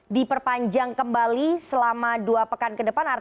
diperpanjang kembali selama dua pekan ke depan